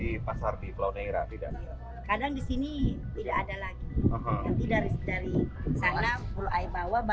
tapi dari sana pulau ais bawah baru dapat beli